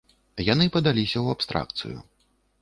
Яны падаліся ў абстракцыю.